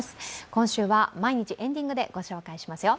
今週は毎日エンディングでご紹介しますよ。